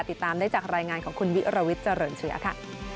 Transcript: ติดตามได้จากรายงานของคุณวิรวิทย์เจริญเชื้อค่ะ